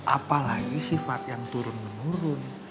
apalagi sifat yang turun menurun